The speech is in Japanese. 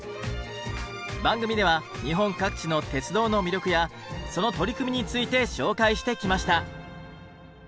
番組では日本各地の鉄道の魅力やその取り組みについて紹介してきました。